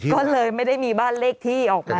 ก็เลยไม่ได้มีบ้านเลขที่ออกมา